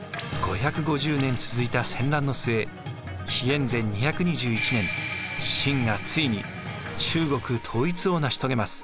５５０年続いた戦乱の末紀元前２２１年秦がついに中国統一を成し遂げます。